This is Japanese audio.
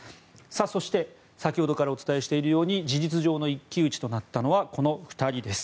そして、先ほどからお伝えしているように事実上の一騎打ちとなったのはこの２人です。